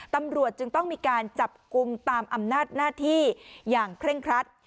ตำรวจจึงต้องมีการจับกลุ่มตามอำนาจหน้าที่อย่างเคร่งครัด